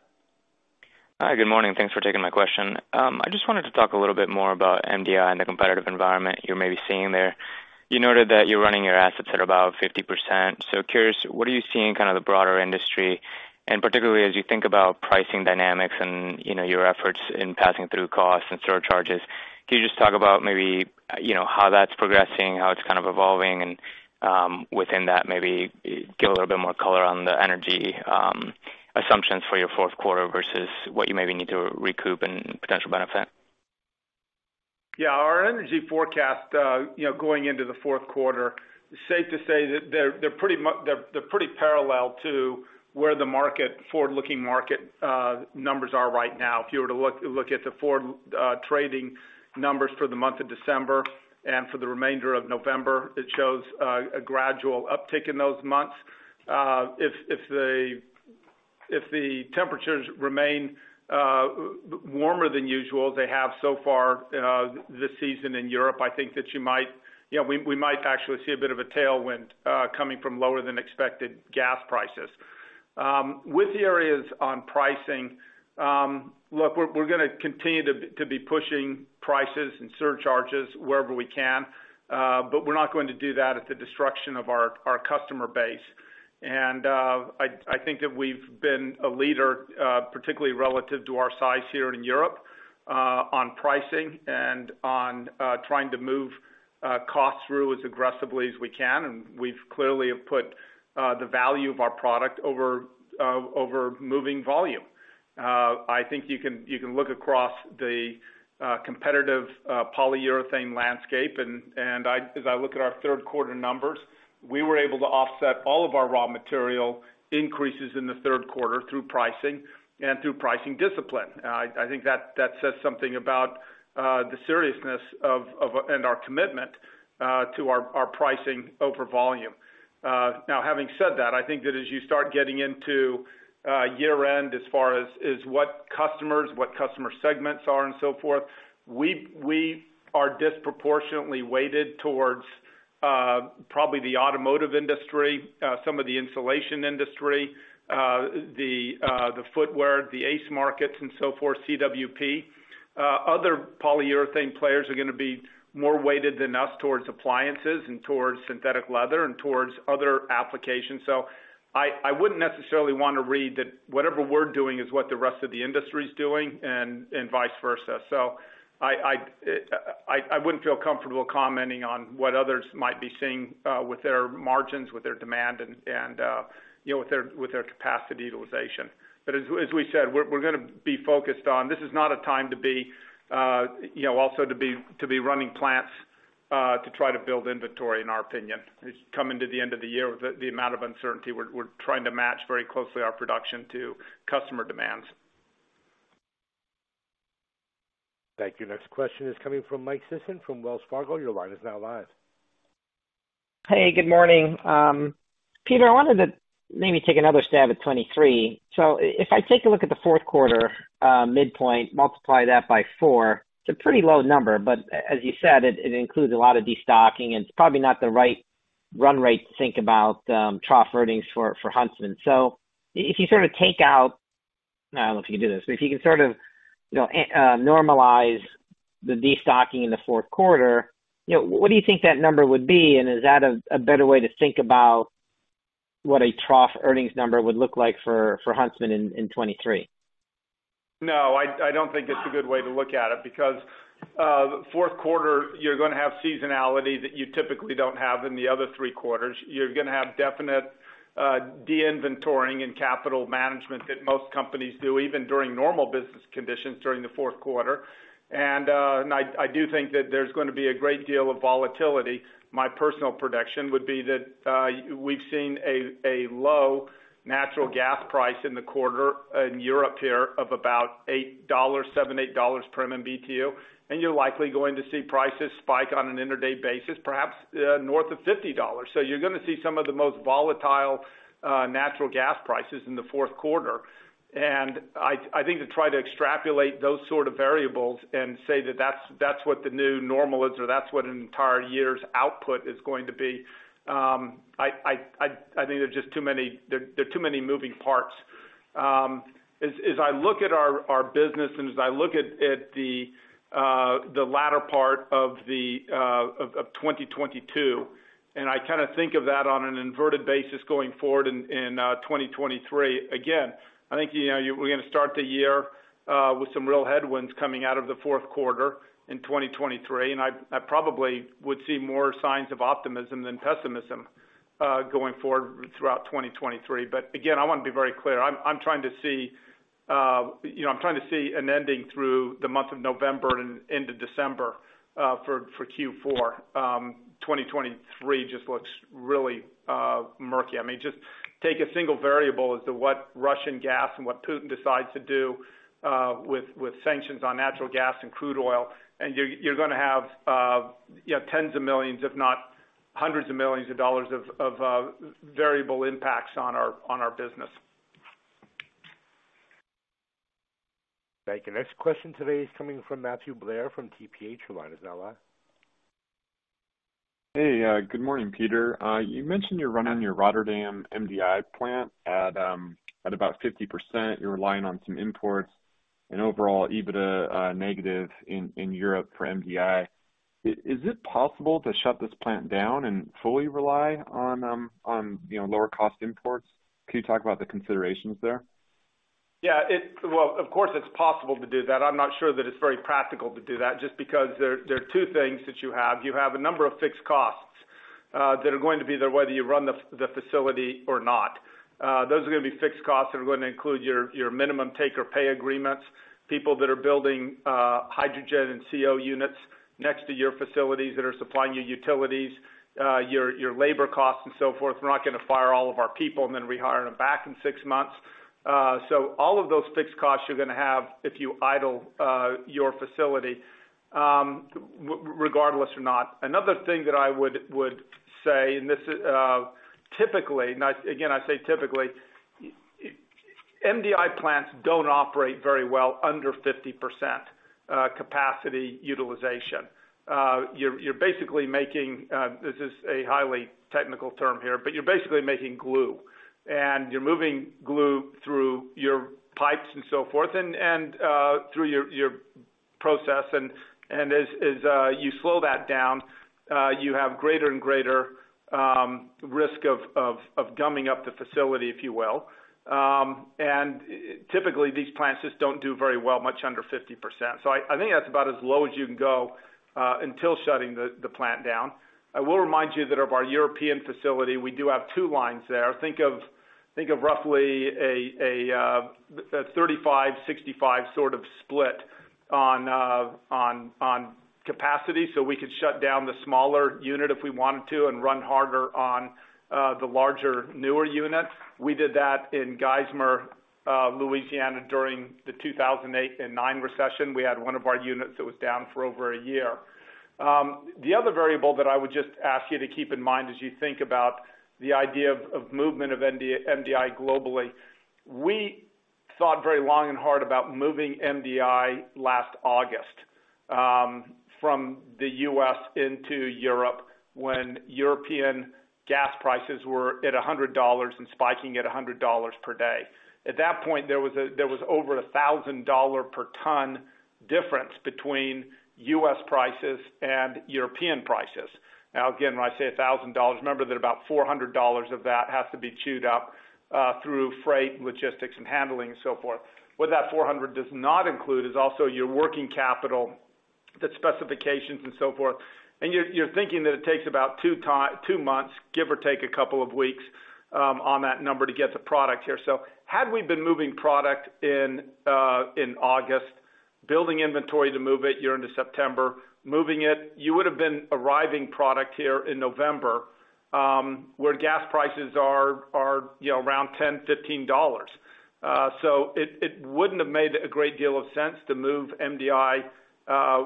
Hi, good morning. Thanks for taking my question. I just wanted to talk a little bit more about MDI and the competitive environment you may be seeing there. You noted that you're running your assets at about 50%. Curious, what are you seeing kind of the broader industry, and particularly as you think about pricing dynamics and, you know, your efforts in passing through costs and surcharges? Can you just talk about maybe, you know, how that's progressing, how it's kind of evolving, and within that, maybe give a little bit more color on the energy assumptions for your fourth quarter versus what you maybe need to recoup and potential benefit? Yeah. Our energy forecast, you know, going into the fourth quarter, safe to say that they're pretty parallel to where the forward-looking market numbers are right now. If you were to look at the forward trading numbers for the month of December and for the remainder of November, it shows a gradual uptick in those months. If the temperatures remain warmer than usual, they have so far this season in Europe, I think that you might, you know, we might actually see a bit of a tailwind coming from lower-than-expected gas prices. With the areas on pricing, look, we're gonna continue to be pushing prices and surcharges wherever we can, but we're not going to do that at the destruction of our customer base. I think that we've been a leader, particularly relative to our size here in Europe, on pricing and on trying to move costs through as aggressively as we can, and we've clearly put the value of our product over moving volume. I think you can look across the competitive polyurethane landscape and as I look at our third quarter numbers, we were able to offset all of our raw material increases in the third quarter through pricing and through pricing discipline. I think that says something about the seriousness of and our commitment to our pricing over volume. Now having said that, I think that as you start getting into year-end as far as what customers, what customer segments are and so forth, we are disproportionately weighted towards probably the automotive industry, some of the insulation industry, the footwear, the ACE markets and so forth, CWP. Other polyurethane players are gonna be more weighted than us towards appliances and towards synthetic leather and towards other applications. I wouldn't necessarily wanna read that whatever we're doing is what the rest of the industry is doing and vice versa. I wouldn't feel comfortable commenting on what others might be seeing with their margins, with their demand and you know, with their capacity utilization. As we said, we're gonna be focused on this. This is not a time to be, you know, also to be running plants to try to build inventory in our opinion. It's coming to the end of the year with the amount of uncertainty we're trying to match very closely our production to customer demands. Thank you. Next question is coming from Michael Sison from Wells Fargo. Your line is now live. Hey, good morning. Peter, I wanted to maybe take another stab at 2023. If I take a look at the fourth quarter midpoint, multiply that by four, it's a pretty low number, but as you said, it includes a lot of destocking, and it's probably not the right run rate to think about trough earnings for Huntsman. If you sort of take out, I don't know if you can do this. If you can sort of, you know, normalize the destocking in the fourth quarter, you know, what do you think that number would be? And is that a better way to think about what a trough earnings number would look like for Huntsman in 2023? No, I don't think it's a good way to look at it because fourth quarter, you're gonna have seasonality that you typically don't have in the other three quarters. You're gonna have definite de-inventoring and capital management that most companies do, even during normal business conditions during the fourth quarter. And I do think that there's gonna be a great deal of volatility. My personal prediction would be that we've seen a low natural gas price in the quarter in Europe here of about $8, $7-$8 per MMBTU, and you're likely going to see prices spike on an intraday basis, perhaps north of $50. You're gonna see some of the most volatile natural gas prices in the fourth quarter. I think to try to extrapolate those sort of variables and say that that's what the new normal is or that's what an entire year's output is going to be. I think there are just too many moving parts. As I look at our business and as I look at the latter part of 2022, and I kinda think of that on an inverted basis going forward in 2023, again, I think you know we're gonna start the year with some real headwinds coming out of the fourth quarter in 2023, and I probably would see more signs of optimism than pessimism going forward throughout 2023. Again, I wanna be very clear. I'm trying to see an ending through the month of November and into December for Q4. 2023 just looks really murky. I mean, just take a single variable as to what Russian gas and what Putin decides to do with sanctions on natural gas and crude oil, and you're gonna have, you know, tens of millions, if not hundreds of millions of dollars of variable impacts on our business. Thank you. Next question today is coming from Matthew Blair from TPH&Co. Your line is now live. Hey, good morning, Peter. You mentioned you're running your Rozenburg MDI plant at about 50%. You're relying on some imports and overall EBITDA negative in Europe for MDI. Is it possible to shut this plant down and fully rely on, you know, lower cost imports? Can you talk about the considerations there? Yeah, it's well, of course, it's possible to do that. I'm not sure that it's very practical to do that just because there are two things that you have. You have a number of fixed costs that are going to be there whether you run the facility or not. Those are gonna be fixed costs that are gonna include your minimum take or pay agreements, people that are building hydrogen and CO units next to your facilities that are supplying you utilities, your labor costs and so forth. We're not gonna fire all of our people and then rehire them back in six months. All of those fixed costs you're gonna have if you idle your facility, regardless or not. Another thing that I would say, and this typically, now again, I say typically, MDI plants don't operate very well under 50% capacity utilization. You're basically making this is a highly technical term here, but you're basically making glue. You're moving glue through your pipes and so forth and through your process. As you slow that down, you have greater and greater risk of gumming up the facility, if you will. Typically, these plants just don't do very well much under 50%. I think that's about as low as you can go until shutting the plant down. I will remind you that of our European facility, we do have two lines there. Think of roughly a 35-65 sort of split on capacity, so we could shut down the smaller unit if we wanted to and run harder on the larger, newer units. We did that in Geismar, Louisiana during the 2008 and 2009 recession. We had one of our units that was down for over a year. The other variable that I would just ask you to keep in mind as you think about the idea of movement of MDI globally, we thought very long and hard about moving MDI last August from the U.S. into Europe when European gas prices were at $100 and spiking at $100 per day. At that point, there was over a $1,000 per ton difference between U.S. prices and European prices. Now, again, when I say $1,000, remember that about $400 of that has to be chewed up through freight, logistics, and handling and so forth. What that $400 does not include is also your working capital, the specifications and so forth. You're thinking that it takes about two months, give or take a couple of weeks, on that number to get the product here. Had we been moving product in August, building inventory to move it here into September, moving it, you would've been arriving product here in November, where gas prices are, you know, around $10-$15. It wouldn't have made a great deal of sense to move MDI.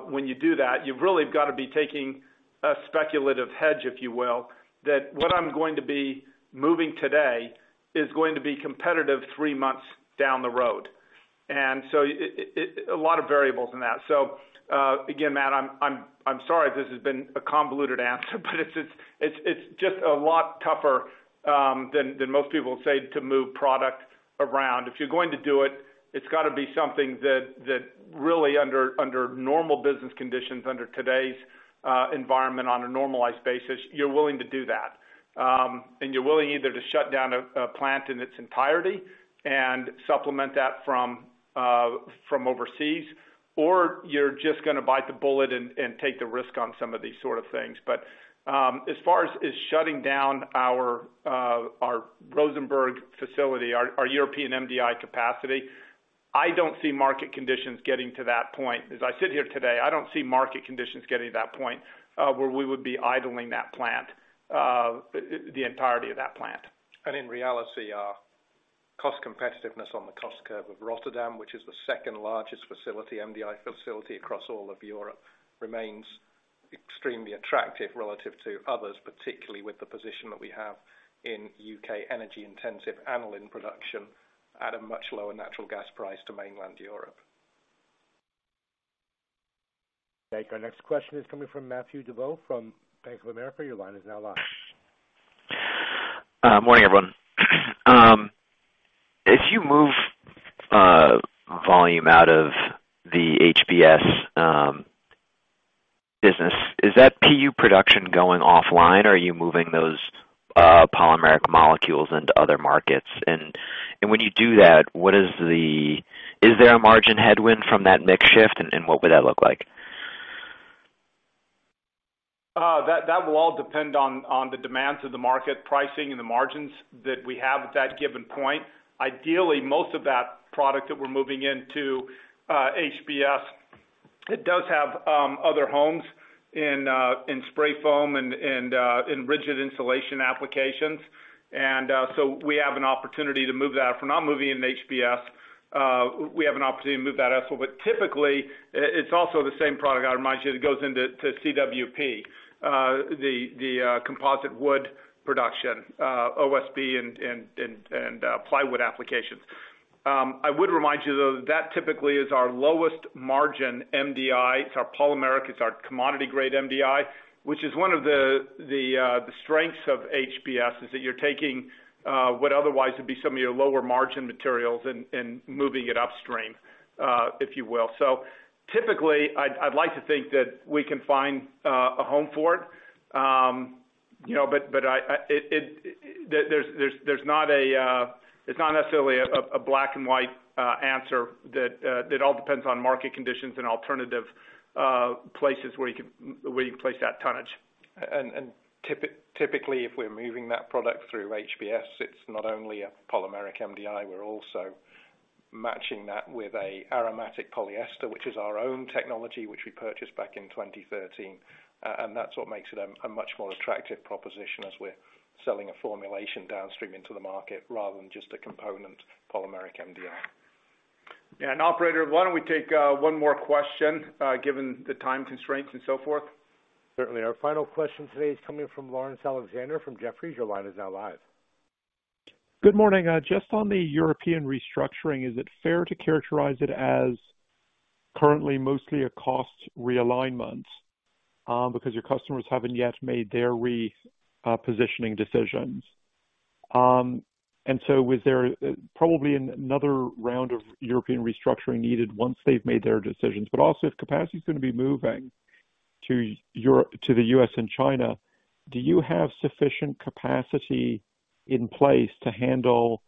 When you do that, you've really got to be taking a speculative hedge, if you will, that what I'm going to be moving today is going to be competitive three months down the road. A lot of variables in that. Again, Matt, I'm sorry if this has been a convoluted answer, but it's just a lot tougher than most people say to move product around. If you're going to do it's gotta be something that really under normal business conditions, under today's environment on a normalized basis, you're willing to do that. You're willing either to shut down a plant in its entirety and supplement that from overseas, or you're just gonna bite the bullet and take the risk on some of these sort of things. As far as shutting down our Rozenburg facility, our European MDI capacity, I don't see market conditions getting to that point. As I sit here today, I don't see market conditions getting to that point, where we would be idling that plant, the entirety of that plant. In reality, our cost competitiveness on the cost curve of Rotterdam, which is the second largest facility, MDI facility across all of Europe, remains extremely attractive relative to others, particularly with the position that we have in U.K. energy-intensive aniline production at a much lower natural gas price to mainland Europe. Great. Our next question is coming from Matthew DeYoe from Bank of America. Your line is now live. Morning, everyone. As you move volume out of the HBS business, is that PU production going offline or are you moving those polymeric molecules into other markets? When you do that, is there a margin headwind from that mix shift, and what would that look like? That will all depend on the demands of the market pricing and the margins that we have at that given point. Ideally, most of that product that we're moving into HBS, it does have other homes in spray foam and in rigid insulation applications. We have an opportunity to move that. If we're not moving into HBS, we have an opportunity to move that elsewhere. Typically, it's also the same product, I remind you, that goes into CWP, the composite wood production, OSB and plywood applications. I would remind you, though, that typically is our lowest margin MDI. It's our polymeric, it's our commodity-grade MDI, which is one of the strengths of HBS, is that you're taking what otherwise would be some of your lower margin materials and moving it upstream, if you will. Typically, I'd like to think that we can find a home for it. You know, but there's not necessarily a black and white answer that all depends on market conditions and alternative places where you can place that tonnage. Typically, if we're moving that product through HBS, it's not only a polymeric MDI, we're also matching that with an aromatic polyester, which is our own technology, which we purchased back in 2013. That's what makes it a much more attractive proposition as we're selling a formulation downstream into the market rather than just a component polymeric MDI. Yeah. Operator, why don't we take one more question, given the time constraints and so forth? Certainly. Our final question today is coming from Laurence Alexander from Jefferies. Your line is now live. Good morning. Just on the European restructuring, is it fair to characterize it as currently mostly a cost realignment, because your customers haven't yet made their repositioning decisions? Was there probably another round of European restructuring needed once they've made their decisions? Also if capacity is gonna be moving to the U.S. and China, do you have sufficient capacity in place to handle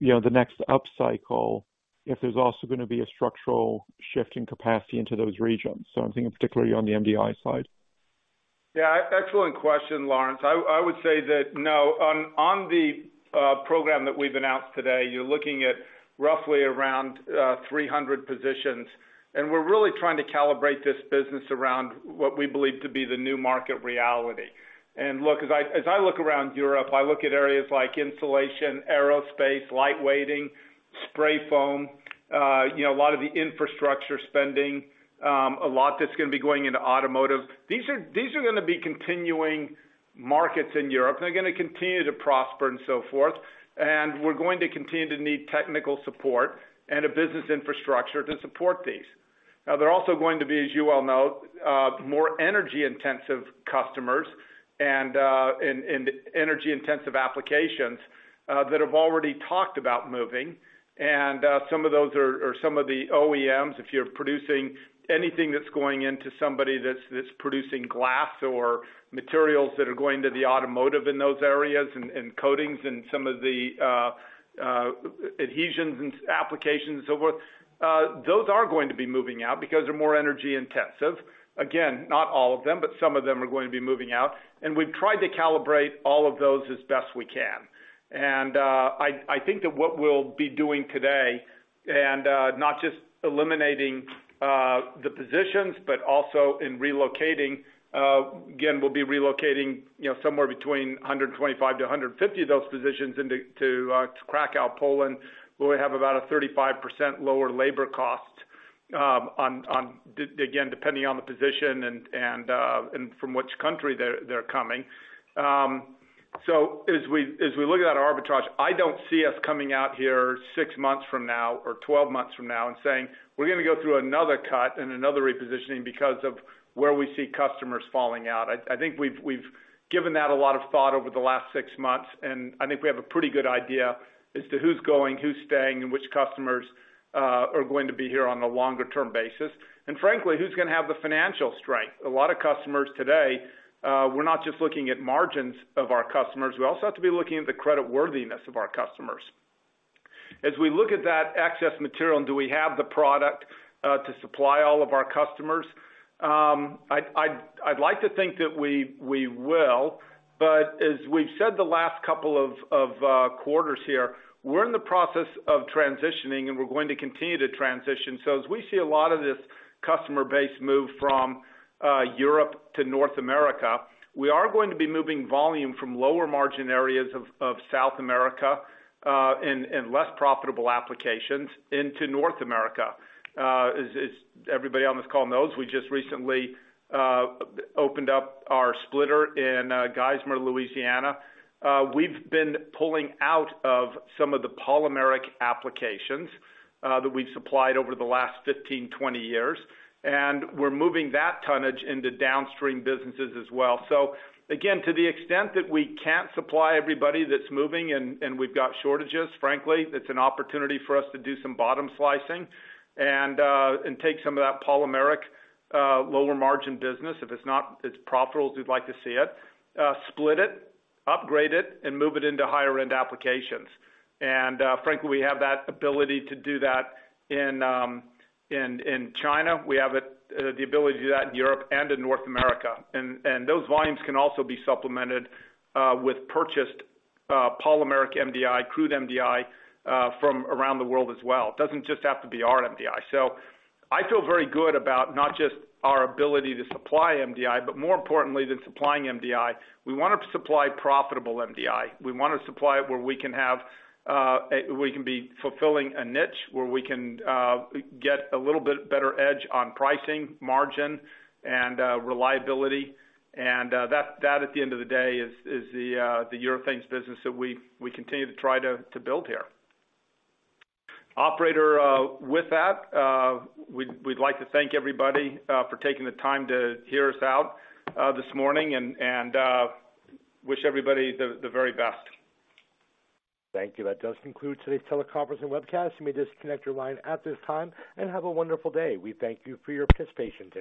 the next upcycle if there's also gonna be a structural shift in capacity into those regions? I'm thinking particularly on the MDI side. Yeah, excellent question, Laurence. I would say that no. On the program that we've announced today, you're looking at roughly around 300 positions. We're really trying to calibrate this business around what we believe to be the new market reality. Look, as I look around Europe, I look at areas like insulation, aerospace, light weighting, spray foam, you know, a lot of the infrastructure spending, a lot that's gonna be going into automotive. These are gonna be continuing markets in Europe, and they're gonna continue to prosper and so forth. We're going to continue to need technical support and a business infrastructure to support these. Now they're also going to be, as you well know, more energy intensive customers and energy intensive applications that have already talked about moving. Some of those are some of the OEMs. If you're producing anything that's going into somebody that's producing glass or materials that are going to the automotive in those areas and coatings and some of the adhesions and applications and so forth, those are going to be moving out because they're more energy intensive. Again, not all of them, but some of them are going to be moving out, and we've tried to calibrate all of those as best we can. I think that what we'll be doing today and not just eliminating the positions, but also in relocating, again, we'll be relocating, you know, somewhere between 125-150 of those positions into Kraków, Poland, where we have about a 35% lower labor cost. Again, depending on the position and from which country they're coming. As we look at our arbitrage, I don't see us coming out here six months from now or 12 months from now and saying, "We're gonna go through another cut and another repositioning because of where we see customers falling out." I think we've given that a lot of thought over the last six months, and I think we have a pretty good idea as to who's going, who's staying, and which customers are going to be here on a long-term basis, and frankly, who's gonna have the financial strength. A lot of customers today, we're not just looking at margins of our customers. We also have to be looking at the creditworthiness of our customers. As we look at that excess material, do we have the product to supply all of our customers? I'd like to think that we will. As we've said the last couple of quarters here, we're in the process of transitioning, and we're going to continue to transition. As we see a lot of this customer base move from Europe to North America, we are going to be moving volume from lower margin areas of South America, and less profitable applications into North America. As everybody on this call knows, we just recently opened up our splitter in Geismar, Louisiana. We've been pulling out of some of the polymeric applications that we've supplied over the last 15, 20 years, and we're moving that tonnage into downstream businesses as well. Again, to the extent that we can't supply everybody that's moving and we've got shortages, frankly, it's an opportunity for us to do some bottom slicing and take some of that polymeric lower margin business. If it's not as profitable as we'd like to see it, split it, upgrade it, and move it into higher end applications. Frankly, we have that ability to do that in China. We have the ability to do that in Europe and in North America. Those volumes can also be supplemented with purchased polymeric MDI, crude MDI from around the world as well. It doesn't just have to be our MDI. I feel very good about not just our ability to supply MDI, but more importantly than supplying MDI, we want to supply profitable MDI. We wanna supply it where we can have, we can be fulfilling a niche, where we can get a little bit better edge on pricing, margin, and reliability. That at the end of the day is the urethanes business that we continue to try to build here. Operator, with that, we'd like to thank everybody for taking the time to hear us out this morning and wish everybody the very best. Thank you. That does conclude today's teleconference and webcast. You may disconnect your line at this time and have a wonderful day. We thank you for your participation today.